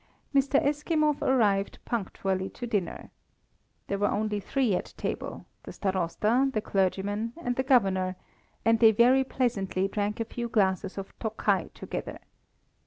Mr. Eskimov arrived punctually to dinner. There were only three at table the Starosta, the clergyman, and the Governor and they very pleasantly drank a few glasses of Tokai together.